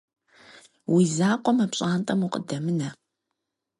Уи закъуэ мы пщӀантӀэм укъыдэмынэ.